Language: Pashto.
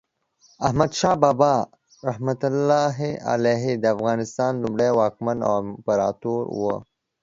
احمد شاه بابا رحمة الله علیه د افغانستان لومړی واکمن او امپراتور و.